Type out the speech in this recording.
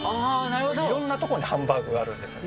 いろんな所にハンバーグがあるんですね。